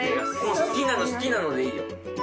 好きなの好きなのでいいよ